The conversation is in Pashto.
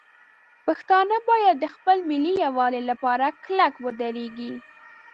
پښتانه باید د خپل ملي یووالي لپاره کلک ودرېږي.